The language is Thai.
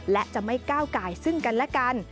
และจะไม่ก้าวกายซึ่งกันและกัน